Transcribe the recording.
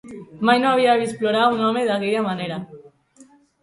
Mai no havia vist plorar un home d'aquella manera.